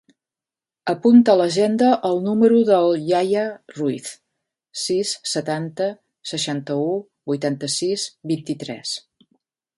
Apunta a l'agenda el número del Yahya Ruiz: sis, setanta, seixanta-u, vuitanta-sis, vint-i-tres.